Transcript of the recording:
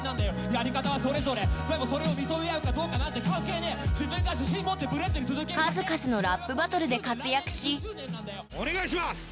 やり方はそれぞれでもそれを認め合うかどうかなんて関係ねえ自分が自信持ってブレずに続けるだけ数々のラップバトルで活躍しお願いします！